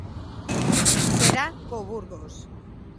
Será co Burgos.